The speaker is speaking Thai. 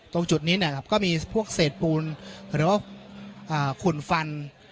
ตรงจุดนี้นะครับก็มีพวกเศษปูนหรือว่าขุ่นฟัน